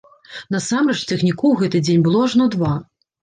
Насамрэч цягнікоў у гэты дзень было ажно два.